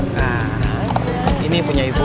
nah ini punya ibu